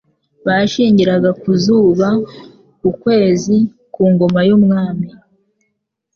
bashingiraga ku zuba, ku kwezi, ku ngoma y'umwami